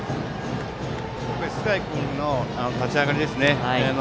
須貝君の立ち上がりですね。